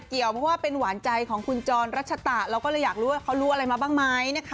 เพราะว่าเป็นหวานใจของคุณจรรัชตะเราก็เลยอยากรู้ว่าเขารู้อะไรมาบ้างไหมนะคะ